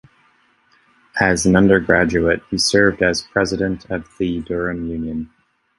As an undergraduate he served as President of the Durham Union.